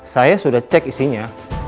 saya sudah cek isinya